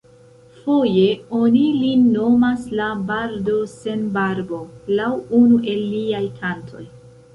Foje oni lin nomas la "Bardo sen barbo", laŭ unu el liaj kantoj.